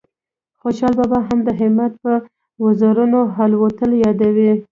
خوشال بابا هم د همت په وزرونو الوتل یادوي